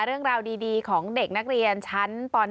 เรื่องราวดีของเด็กนักเรียนชั้นป๑